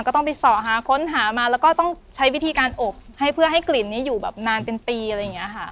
ก็ต้องไปส่อหาค้นหามาแล้วก็ต้องใช้วิธีการอบให้เพื่อให้กลิ่นนี้อยู่แบบนานเป็นปีอะไรอย่างนี้ค่ะ